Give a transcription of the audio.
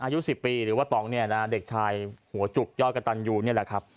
อายุ๑๐ปีหรือว่าตองเนี่ยนะเด็กชายหัวจุกยอดกระตันยูนี่แหละครับ